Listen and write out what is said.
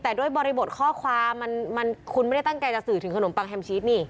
แต่ด้วยบริบทข้อความมันคุณไม่ได้ตั้งใจจะสื่อถึงขนมปังแฮมชีสนี่